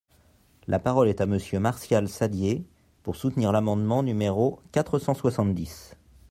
La parole est à Monsieur Martial Saddier, pour soutenir l’amendement numéro quatre cent soixante-dix.